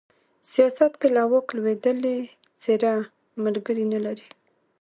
سياست کې له واکه لوېدلې څېره ملگري نه لري